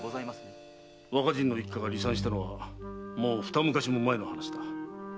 和歌仁の一家が離散したのはもうふた昔も前の話だ。